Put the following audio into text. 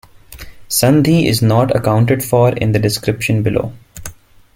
Sandhi is not accounted for in the description below.